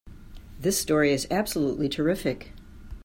This story is absolutely terrific!